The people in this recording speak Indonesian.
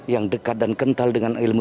yang dekat dan kental dengan ilmu ilmu agama